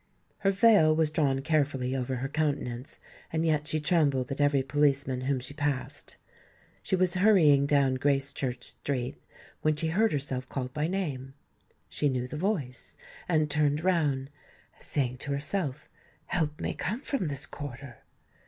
Her veil was drawn carefully over her countenance; and yet she trembled at every policeman whom she passed. She was hurrying down Gracechurch Street, when she heard herself called by name. She knew the voice, and turned round, saying to herself, "Help may come from this quarter!"